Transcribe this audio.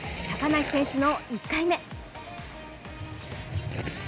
高梨選手の１回目。